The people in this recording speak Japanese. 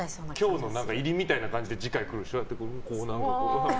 今日の入りみたいな感じで次回来るでしょ。